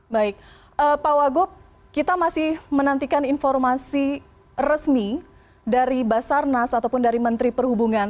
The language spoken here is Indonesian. baik pak wagub kita masih menantikan informasi resmi dari basarnas ataupun dari menteri perhubungan